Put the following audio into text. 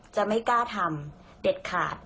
จะไม่กล้าทำเด็ดขาด